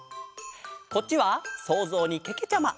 こっちはそうぞうにけけちゃま。